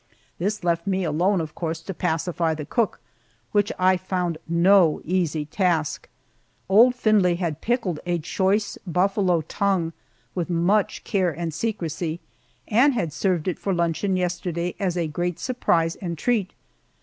This left me alone, of course, to pacify the cook, which I found no easy task. Old Findlay had pickled a choice buffalo tongue with much care and secrecy, and had served it for luncheon yesterday as a great surprise and treat.